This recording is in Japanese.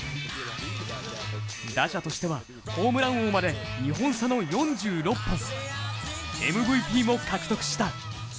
打者としてはホームラン王まで２本差の４６本ＭＶＰも獲得した。